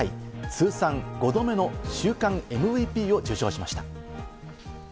通算５度目の週間ＭＶＰを受賞しました。